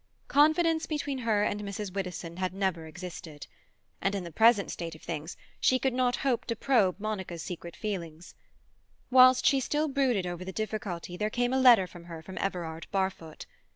Confidence between her and Mrs. Widdowson had never existed, and in the present state of things she could not hope to probe Monica's secret feelings. Whilst she still brooded over the difficulty there came a letter for her from Everard Barfoot.